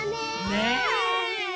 ねえ。